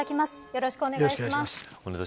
よろしくお願いします。